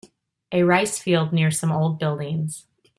A rice field near some old buildings.